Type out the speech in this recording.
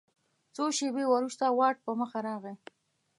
څو شیبې وروسته واټ په مخه راغی.